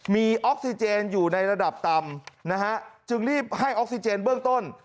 มีออกซิเจนอยู่ในระดับต่ำนะฮะจึงรีบให้ออกซิเจนเบื้องต้น